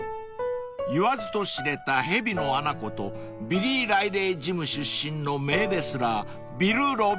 ［言わずと知れた「蛇の穴」ことビリー・ライレー・ジム出身の名レスラービル・ロビンソン］